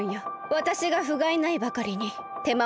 わたしがふがいないばかりにてまをかけた。